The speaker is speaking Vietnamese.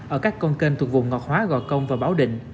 ở các con kênh thuộc vùng ngọt hóa gò công và báo định